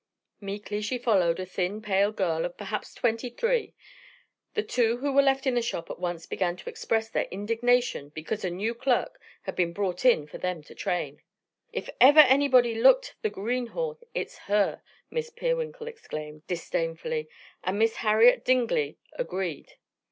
Meekly she followed a thin, pale girl of perhaps twenty three. The two who were left in the shop at once began to express their indignation because a new clerk had been brought in for them to train. "If ever anybody looked the greenhorn, it's her," Miss Peerwinkle exclaimed disdainfully, and Miss Harriet Dingley agreed.